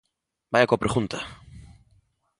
Vaia coa pregunta!